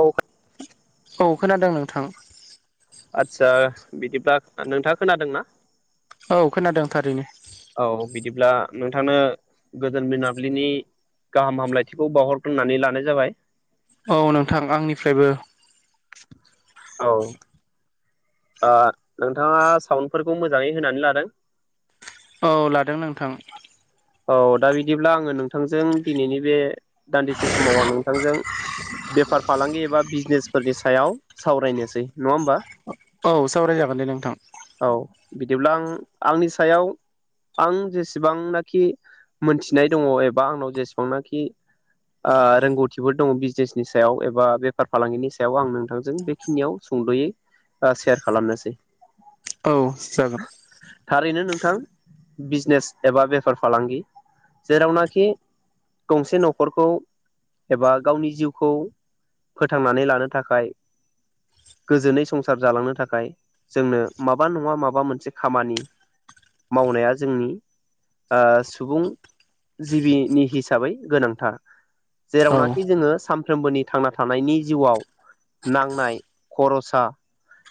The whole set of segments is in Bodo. औ औ खोनादों नोंथां। आदसा बिदिब्ला नोंथाङा खोनादों ना? औ खोनादों थारैनो औ बिदिब्ला नोंथांनो गोजोन मोनाबिलिनि गाहाम हामलायथिखौ बावहरग्रोनानै लानाय जाबाय औ नोंथां आंनिफ्रायबो औ ओ नोंथाङा साउन्डफोरखौ मोजाङै होनानै लादों? औ लादों नोंथां औ दा बिदिब्ला आङो नोंथांजों दिनैनि बे दान्दिसे समाव आं नोंथांजों बेफार फालांगि एबा बिजनेसफोरनि सायाव सावरायनोसै नङा होमबा औ सावरायजागोन दे नोंथां औ बिदिब्ला आं आंनि सायाव आं जेसेबांनाख खि मोनथिनाय दङ एबा आंनाव जेसेबांनाखि रोंगौथिफोर दङ बिजनेसनि सायाव एबा बेफार फालांगिनि सायाव आं नोंथांजों बेखिनियाव सुंद'यै ओ सेयार खालामनोसै औ जागोन थारैनो नोंथां बिजनेस एबा बे बेफार फालांगि जेरावनाखि गंसे न'खरखौ एबा गावनि जिउखौ फोथांनानै लानो थाखाय गोजोनै संसार जालांनो थाखाय जोंनो माबा नङा माबा मोनसे खामानि मावनाया जोंनि ओ सुबुं जिबिनि हिसाबै गोनांथार। औ जेरावनाखि जोङो साम फ्रोमबोनि थांना थानायनि जिउआव नांनाय खरसा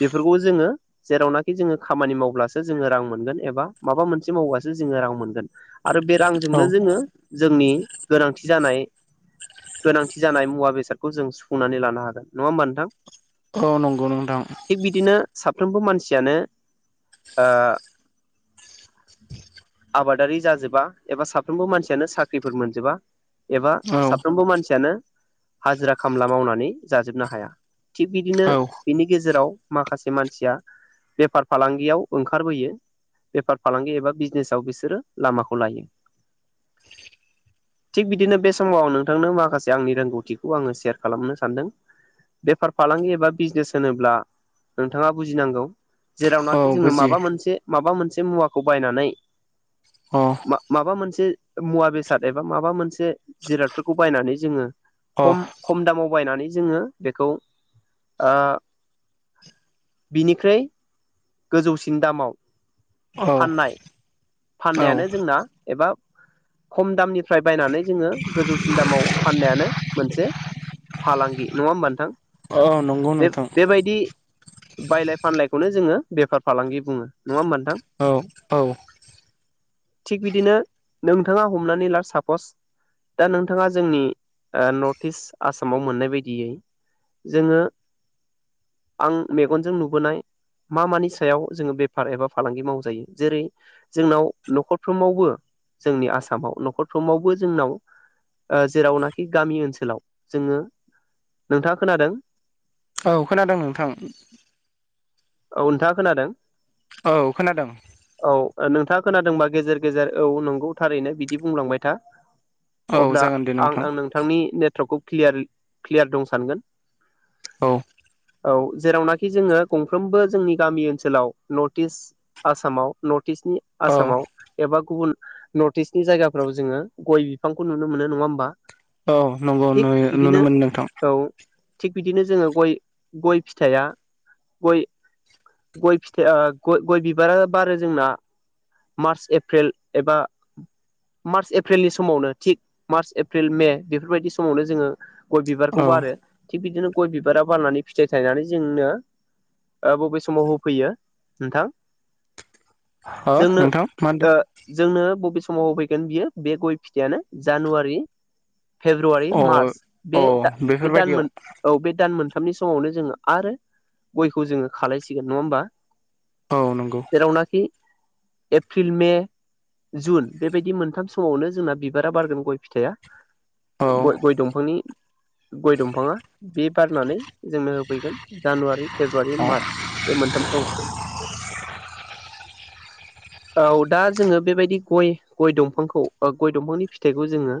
बेफोरखौ जोङो जेरावनाखि जोङो खामानि मावब्लासो जोङो रां मोनगोन एबा माबा मोनसे मावब्लासो जोङो रां मोनगोन आरो बे औ रांजोंनो जोङो जोंनि गोनांथि जानाय गोनांथि जानाय मुवा बेसादखौ जों सुफुंनानै लानो हागोन नङा होमबा नोंथां औ नंगौ नोंथां थिग बिदिनो साफ्रोमबो मानसियानो ओ आबादारि जाजोबा एबा साफ्रोमबो मानसियानो साख्रिफोर मोनजोबा एबा औ साफ्रोमबो मानसियानो हाजिरा खामला मावनानै जाजोबनो हाया थिग बिदिनो औ बिनि गेजेराव माखासे मानसिया बेफार फालांगियाव ओंखारबोयो बेफार फालांगि एबा बिजनेसाव बिसो सोरो लामाखौ लायो थिग बिदिनो बे समाव आं नोंथांनो माखासे आंनि रोंगौथिखौ आङो सेयार खालामनो सानदों बेफार फालांगि एबा बिजनेस होनोब्ला नोंथाङा बुजिनांगौ औ जेरावनाखि जोङो बुजियो माबा मोनसे माबा मोनसे [unintelligible] मुवाखौ बायनानै अ मा माबा मोनसे से मुवा बेसाद एबा माबा मोनसे जिरादफोरखौ बायनानै जोङो अ खम खम दामाव बायनानै जोङो बेखौ ओ बिनिख्रुइ गोजौसिन दामाव औ फाननाय औ फाननायानो जोंना एबा खम दामनिफ्राय बायनानै जोङो गोजौसिन दामाव फाननायानो मोनसे फालांगि नङा होमबा नोंथां औ नंगौ बे बे नोंथां बेबायदि बायलाय फानलायखौनो जोङो बेफार फालांगि बुङो नङा होनबा नोंथां, औ औ थिग बिदिनो नोंथाङा हमनानै ला सापस दा नोंथाङा जोंनि ओ नर्थ इस्ट आसामाव मोननाय बायदियै जोङो आं मेगनजों नुबोनाय मा मानि सायाव जोङो बेफार एबा फालांगि मावजायो जेरै जोंनाव न'खरफ्रोमावबो जोंनि आसामाव न'खरफ्रोमावबो जोंनाव ओ जेरावनाखि गामि ओनसोलाव जोङो नोंथाङा खोनादों? औ खोनादों नोंथां। औ नोंथाङा खोनादों? औ खोनादों औ नोंथाङा खोनादोंबा गेजेर गेजेर औ नंगौ थारैनो बिदि बुंलांबाय था। औ अब्ला जागोन दे आं नोंथां आं नोंथांनि नेटवर्कखौ क्लियार क्लियार दं सानगोन। औ औ जेरावनाखि जोङो गं फ्रोमबो जोंनि गामि ओनसोलाव नर्थ इस्ट आसामाव नर्थ टिशनि औ आसामाव एबा गुबुन नर्थ इस्टनि जायगाफोराव जोङो गय बिफांखौ नुनो मोनो नङा होमबा। औ नंगौ थिग नुयो नुनो बिदिनो मोनदों थं औ थिग बिदिनो जोङो गय गय फिथाया गय गय फिथाया गय-गय बिबारा बारो जोंना मार्च एप्रिल एबा मार्च एप्रिलनि समावनो थिग मार्च एप्रिल मे बेफोरबायदि समावनो जोङो गय बिबारखौ औ बारो थिग बिदिनो गय बिबारा बारनानै फिथाइ थायनानै जोंनो ओ बबे समाव होफैयो नोंथां हो जोंनो नोंथां मा होनदों ओ जोंनो बबे समाव होफैगोन बियो बे गय फिथायानो जानुवारि फेब्रुवारि अ मार्च अ बे दा बे दान बेफोरबायदियाव मोन औ बे दान मोन थामनि समावनो जोङो आरो गयखौ जोङो खालायसिगोन नङा होमबा औ नंगौ जेरावनाखि एफ्रिल मे जुन बेबायदि मोनथाम समावनो जोंना बिबारा बारगोन गय फिथाया। औ गय-गय दंफांनि गय दंफाङा बे बारनानै जोंनो होफैगोन जानुवारि बे औ मार बे मोनथामसोआव औ दा जोङो बेबायदि गय गय दंफांखौ ओ गय दंफांनि फिथाइखौ जोङो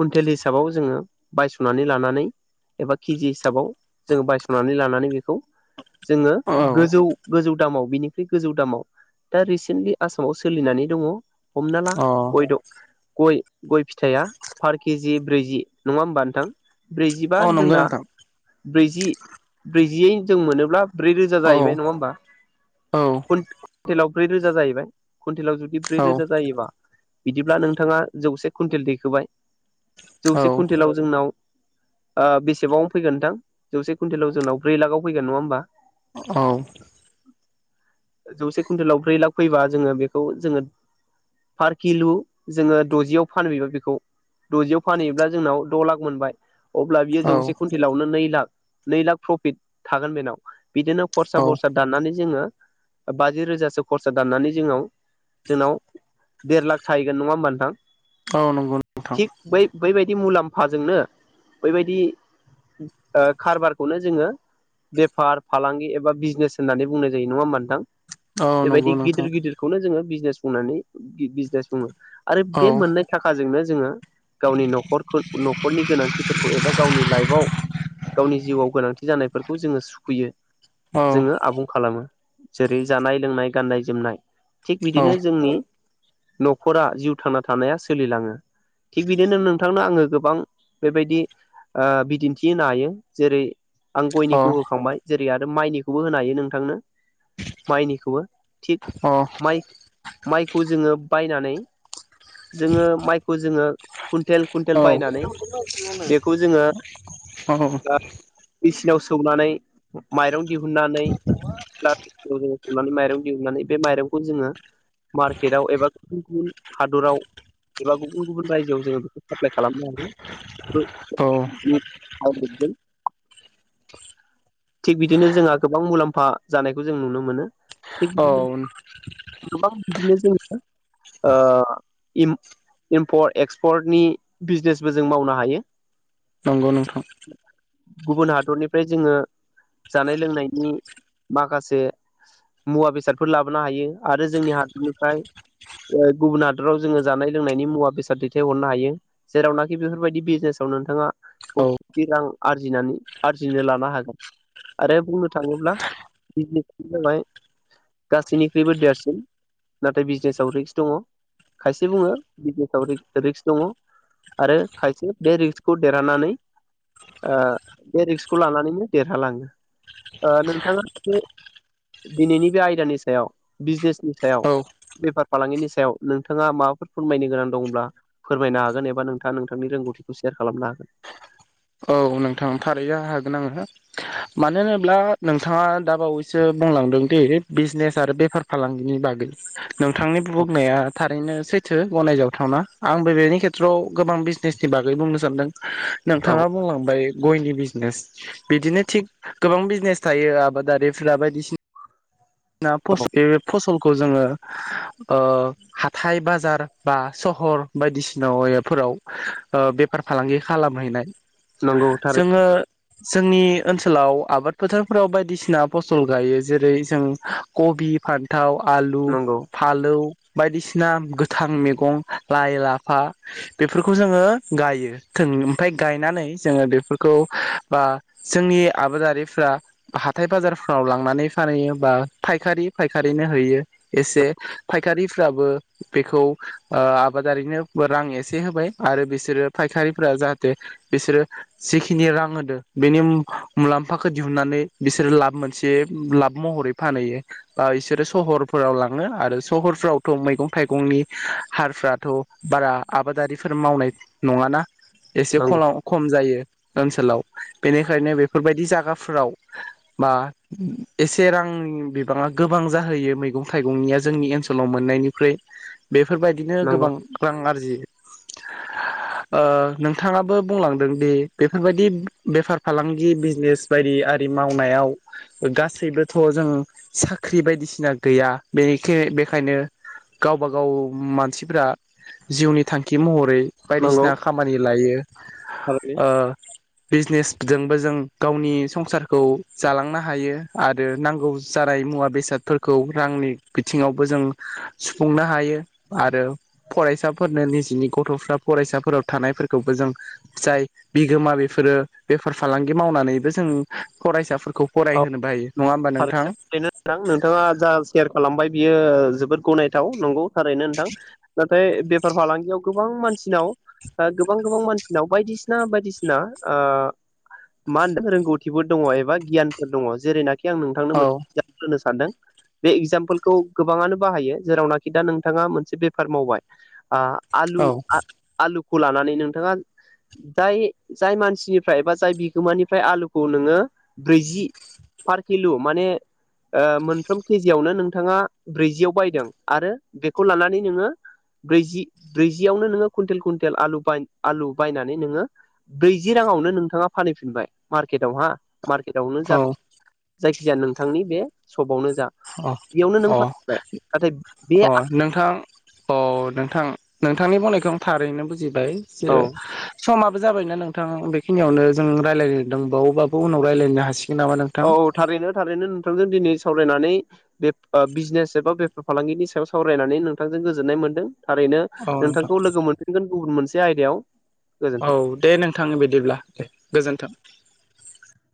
कुन्टेल हिसाबाव जोङो बायस'नानै लानानै एबा केजि हिसाबाव जोङो बायस'नानै लानानै बेखौ जोङो औ गोजौ गोजौ दामाव बिनिख्रुइ गोजौ दामाव दा रिसेन्टलि आसामाव सोलिनानै दङ'। हमनाला अ गयद' गय गय फिथाया पार केजि ब्रैजि नङा होमबा नोंथां। ब्रैजिबा औ नंगौ जोंना नोंथां ब्रै जि ब्रैजियै जों मोनोब्ला ब्रै रोजा औ जाहैबाय नङा होमबा? औ कुवइन्टेलाव ब्रै रोजा जाहैबाय? कुइन्टेलाव जुदि ब्रै औ रोजा जायोबा बिदिब्ला नोंथाङा जौसे कुइन्टेल दैखोबाय। जौसे कुवन्टेलाव जोंनाव ओ बेसेबां फैगोन नोंथां? जौसे कुइन्टेलाव जोंनाव ब्रै लाखआव फैगोन नङा होमबा? औ। जौसे कुइन्टेलाव ब्रै लाख फैबा जोङो बेखौ जोङो पार किलु जोङो द'जियाव फानहैबाय बेखौ द'जियाव फानहैयोब्ला जोंनाव द' लाख मोनबाय। अब्ला बियो औ जौसे कुवइन्टेलावनो नै लाख। नै लाख प्रफिट थागोन बेनाव। बिदिनो औ खरसा बरसा दाननानै जोङो बाजि रोजासो खरसा दाननानै जोंनाव जोंनाव देर लाख थाहैगोन नङा होमबा नोंथां? औ नंगौ नोंथां थिग बै-बै बाय दि मुलाम्फाजोंनो बेैबायदि ओ कारबारखौनो जोङो बेफार फालांगि एबा बिजनेस होननानै बुंनाय जायो नङा होमा नोंथां? औ नंगौ बेबायदि नोंथां गिदिर गिदिरखौनो जोङो बिजनेस बुंनानै बिजनेस बुङो। आरो औ बे मोननाय थाखाजोंनो जोङो गावनि न'खरखौ न'खरनि गोनांथिफोरखौ एबा गावनि लाइफआव गावनि जिउआव गोनांथि जानायफोर खौ जोङो सुखयो। औ जोङो आबुं खालामो। जेरै जानाय लोंनाय, गाननाय जोमनाय। थिग औ बिदिनो जोंनि न'खरा जिउ थांना थानाया सोलिलाङो। थिग बिदिनो नोंथांनो आङो गोबां बेबायदि ओ बिदिन्थि होनो हायो जेरै औ अ खौ होखांबाय। जेरै आरो माइनिखौबो होनो हायो नोंथांनो माइनिखौबो। थिग माइ माइखौ जोङो बायनानै जोङो माइखौ जोङो कुइन्टेल कुइन्टेल बायनानै बेखौ जोङो औ औ। नानै माइरं दिहुननानै [inaudible] सौनानै माइरं दिहुननानै बे माइरंखौ जोङो मार्केट आव एबा गुबुन गुबुन हादराव एबा गुबुन गुबुन रायजोआव जोङो बेखौ साप्लाइ खालामनो होन औ थिग बिदिनो जोंहा गोबां मुलाम्फा जानायखौ जों नुनो मोनो औ गोबां बिदिनो जों ओ इम इमपर्ट एक्सपर्टनि बिजनेसबो जों मावनो हायो। नंगौ नोंथां गुबुन हादरनिफ्राय जोङो जानाय लोंनायनि माखासे मुवा बेसादफोर लाबोनो हायो आरो जोंनि हादरनिफ्राय ओ गुबुन हादराव जोङो जानाय लोंनायनि मुवा बेसाद दैथायहरनो हायो जेरावनाखि बेफोरबायदि बिजनेसाव नोंथाङा औ खौथि रां आरजिनानै आरजिनो लानो हागोन। आरो बुंनो थाङोब्ला बिजनेस जाबाय गासैनिख्रुइबो देरसिन नाथाय बिजनेसाव रिक्स दङ खायसे बुङो बिजनेसाव रिक्स दङ आरो खायसे बे रिक्सखौ देरहानानै ओ बे रिक्सखौ लानानैनो देरहालाङो ओ नोंथाङा बे दिनैनि बे आयदानि सायाव बिजनेसनि सायाव औ बेफार फालांगिनि सायाव नोंथाङा माबाफोर फोरमायनो गोनां दंब्ला फोरमायनो हागोन एबा नोंथाङा नोंथांनि रोंगौथिखौ सेयार खालामनो हागोन। औ नोंथां थारैनो हागोन आङो मानो होनोब्ला नोंथाङा दा बावैसो बुंलांदों दि बिजनेस आरो बेफार फालांगिनि बागै नोंथांनि बुंनाया थारैनो सैथो गनायजावथावना आंबो बेनि खेथ्रआव गोबां बिजनेसनि बागै बुंनो सानदों औ नोंथाङा बुंलांबाय गयनि बिजनेस बिदिनो थिग गोबां बिजनेस थायो आबादारिफोरा बायदिसिना ना फस औ ओ फसल खौ जोङो ओ हाथाइ बाजार बा सहर बायदिसिनाफोराव ओ बेफार फालांगि खालामहैनाय नंगौ थारै जोङो जोंनि ओनसोलाव आबाद फोथारफोराव बायदिसिना फसल गायो जेरै जों कबि फान्थाव आलु नंगौ फालौ बायदिसिना गोथां मैगं लाइ लाफा बेफोरखौ जोङो गायो थों ओमफ्राय गायनानै जोङो बेफोरखौ बा जोंनि आबादारिफ्रा हाथाय बाजारफ्राव लांनानै फानहैयो बा फायखारि फायखारिनो होयो एसे फायखारिफ्राबो बेखौ ओ आबादारिनो रां एसे होबाय आरो बिसोरो फायखारिफ्रा जाहाथे बिसोरो जिखिनि रां होदो बेनि मुं मुलाम्फाखौ दिहुननानै बिसोरो लाब मोनसे लाब महरै फानहैयो बा बिसोरो सहरफोराव लाङो आरो सहरफ्रावथ' मैगं थाइगंनि हारफ्राथ' बारा आबादारिफोर मावनाय नङाना एसे नंगौ खलाव खम जायो ओनसोलाव बेनिखायनो बेफोरबायदि जागाफोराव बा एसे रां बिबाङा गोबां जाहैयो मैगं थाइगंनिया जोंनि ओनसोलाव मोननायनिख्रुय बेफोरबायदिनो नंगौ गोबां रां आरजि ओ नोंथाङाबो बुंलांदों दि बेफोरबायदि बेफार फालांगि बिजनेस बायदि आरि मावनायाव गासैबोथ' जों साख्रि बायदिसिना गैया बेखैय बेखायनो गावबा गाव मानसिफ्रा जिउनि थांखि महरै नंगौ बायदिसिना खामानि लायो थारैनो ओ बिजनेसजोंबो जों गावनि संसारखौ जालांनो हायो आरो नांगौ जानाय मुवा बेसादफोरखौ रांनि बिथिङावबो जों सुफुंनो हायो आरो फरायसाफोरनो निजिनि गथ'फ्रा फरायसाफोराव थानायफोरखौबो जों जाय बिगोमा बेफोरो बेफार फालांगि मावनानैबो जों फराय फोर खौ फराय औ होनोबो हायो नङा होमबा नोंथां थारैनो [unintelligible] नोंथाङा जा सेयार खालामबाय बियो जोबोद गनायथाव नंगौ थारैनो नोंथां ओमफाय बेफार फालांगियाव गोबां मानसिनाव ओ गोबां गोबां मानसिनाव बायदिसिना बायदिसिना ओ मा होनदों रोंगौथिफोर दङ एबा गियानफोर दङ जेरैनाखि आं नोंथांनो औ मोनसे [unintelligible] होनो सानदों बे एगजामपोलखौ गोबाङानो बाहायो जेरावनाखि दा नोंथाङा मोनसे बेफार मावबाय आ आलु औ आ आलु खौ लानानै नोंथाङा दाय जाय मानसिनिफ्राय बा जाय बिगोमानिफ्राय आलुखौ नोङो ब्रैजि पार किल' माने ओ मोनफ्रोम केजियावनो नोंथाङा ब्रैजियाव बायदों आरो बेखौ लानानै नोङो ब्रैजि ब्रैजियावनो नोङो कुइन्टेल कुइन्टेल आलु ब आलु बायनानै नोङो ब्रैजि राङावनो नोंथाङा फानहैफिनबाय मार्केटाव हा मार्केटआवनो जा औ जायखिजाया नोंथांनि बे सगावनो अ अ नाथाय बे अ नोंथां अ नोंथां । नोंथांनि बुंनायखौ आं थारैनो बुजि बाय जे औ समा जाबायना नोंथां बेखिनियावनो जों रायलायदों बावबबो उाव राय्लायनो हासिगोन। नामा नोंथां औ औ थारैनो थारैनो नोंथांजों दिनै सावरायनानै बे बिजनेस एबा बेफार फालांगिनि सायाव सावरायनानै नोंथांजों गोजोननाय मोन्दों। थारैनो औ नोंथां नोंथांखौ लोगो मोनफिनगोन गुबुन मोनसे आयदायाव औ गोजोन्थों दे नोंथां बिदिब्ला दे गोजोन्थों।